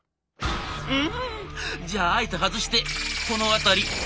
「うんじゃああえて外してこの辺り」。